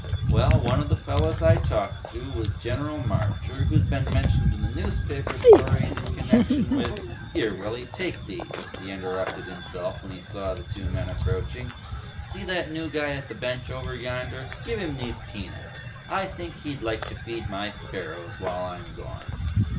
Well, one of the fellas I talked to was General Marcher, who's been mentioned in the newspaper stories in connection with ... here, Willy, take these," he interrupted himself when he saw the two men approaching. "See that new guy at the bench over yonder? Give him these peanuts. I think he'd like to feed my sparrows while I'm gone.